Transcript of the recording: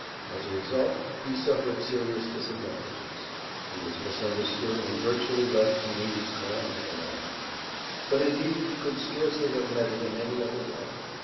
As a result, he suffered serious disadvantages; he was misunderstood and virtually left to meet his calamity alone. But, indeed he could scarcely have met it in any other way.